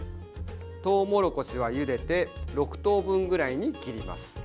とうもろこしはゆでて６等分ぐらいに切ります。